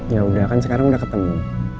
ya udah kan sekarang udah ketemu